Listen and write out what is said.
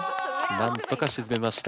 なんとか沈めました。